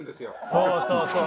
そうそうそう。